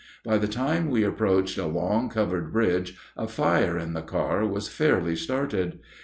By the time we approached a long, covered bridge a fire in the car was fairly started.